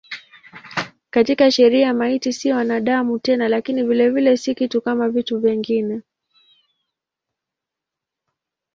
Katika sheria maiti si mwanadamu tena lakini vilevile si kitu kama vitu vingine.